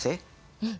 うん。